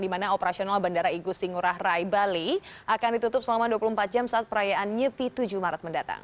di mana operasional bandara igusti ngurah rai bali akan ditutup selama dua puluh empat jam saat perayaan nyepi tujuh maret mendatang